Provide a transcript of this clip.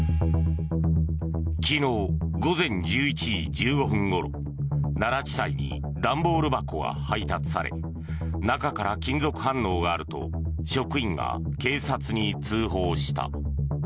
昨日午前１１時１５分ごろ奈良地裁に段ボール箱が配達され中から金属反応があると職員が警察に通報した。